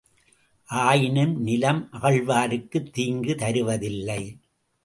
ஆயினும் நிலம் அகழ்வாருக்குத் தீங்கு தருவதில்லை.